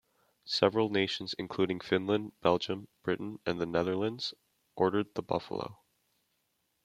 Several nations, including Finland, Belgium, Britain and the Netherlands, ordered the Buffalo.